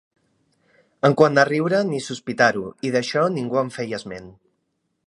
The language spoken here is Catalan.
En quant a riure, ni sospitar-ho, i d'això ningú en feia esment